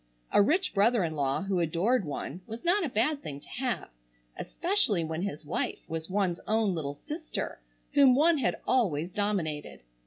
A rich brother in law who adored one was not a bad thing to have, especially when his wife was one's own little sister whom one had always dominated.